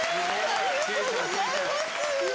ありがとうございます！